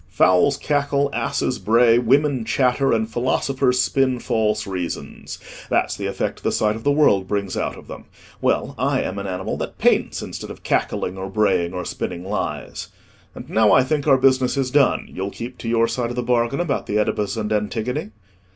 Fowls cackle, asses bray, women chatter, and philosophers spin false reasons—that's the effect the sight of the world brings out of them. Well, I am an animal that paints instead of cackling, or braying, or spinning lies. And now, I think, our business is done; you'll keep to your side of the bargain about the Oedipus and Antigone?"